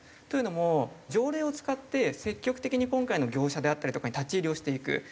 というのも条例を使って積極的に今回の業者であったりとかに立ち入りをしていく。